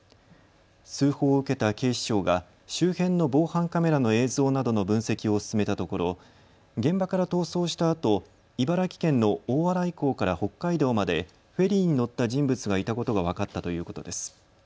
通報を受けた警視庁が周辺の防犯カメラの映像などの分析を進めたところ現場から逃走したあと茨城県の大洗港から北海道までフェリーに乗った人物がいたことが分かったということです。